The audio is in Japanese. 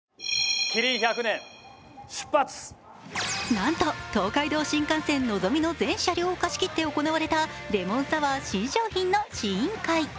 なんと東海道新幹線のぞみの全車両を貸し切って行われたレモンサワー新商品の試飲会。